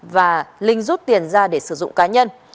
và linh rút tiền ra để sử dụng cá nhân